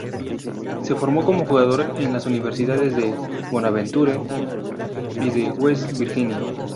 Se formó como jugador en las universidades de Bonaventure y de West Virginia.